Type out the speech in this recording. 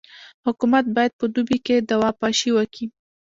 حکومت باید په دوبي کي دوا پاشي وکي.